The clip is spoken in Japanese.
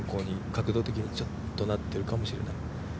角度的にちょっとなってるかもしれない。